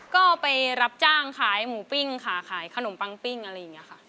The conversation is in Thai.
ก็ไปรับจ้างขายหมูปิ้งค่ะขายขนมปังปิ้งอะไรอย่างนี้ค่ะ